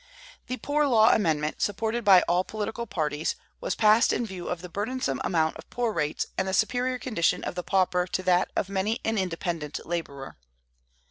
The Poor Law Amendment, supported by all political parties, was passed in view of the burdensome amount of poor rates and the superior condition of the pauper to that of many an independent laborer.